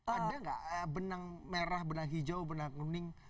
ada nggak benang merah benang hijau benang kuning